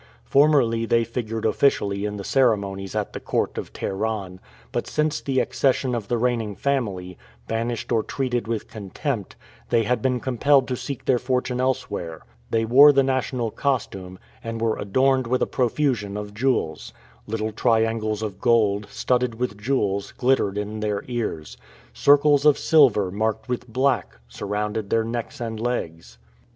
Formerly they figured officially in the ceremonies at the court of Teheran, but since the accession of the reigning family, banished or treated with contempt, they had been compelled to seek their fortune elsewhere. They wore the national costume, and were adorned with a profusion of jewels. Little triangles of gold, studded with jewels, glittered in their ears. Circles of silver, marked with black, surrounded their necks and legs.